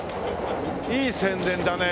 いい宣伝だね。